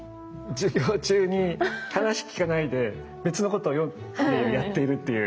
授業中に話聞かないで別のことをやっているという。